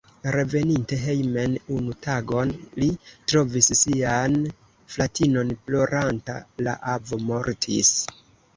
Reveninte hejmen unu tagon, li trovis sian fratinon ploranta: la avo mortis.